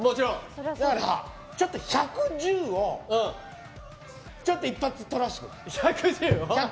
だから、１１０をちょっと一発とらせてください。